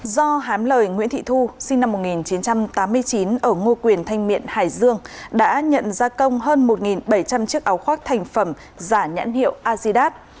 do hám lời nguyễn thị thu sinh năm một nghìn chín trăm tám mươi chín ở ngô quyền thanh miện hải dương đã nhận gia công hơn một bảy trăm linh chiếc áo khoác thành phẩm giả nhãn hiệu azidat